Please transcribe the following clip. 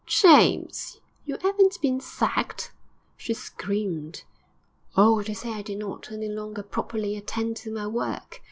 'James! You 'aven't been sacked?' she screamed. 'Oh, they said I did not any longer properly attend to my work.